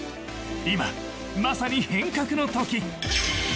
今、まさに変革の時。